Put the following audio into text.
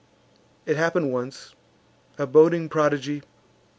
It happen'd once (a boding prodigy!)